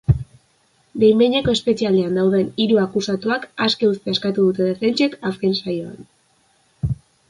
Behin-behineko espetxealdian dauden hiru akusatuak aske uztea eskatu dute defentsek azken saioan.